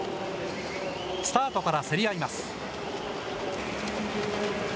スタートから競り合います。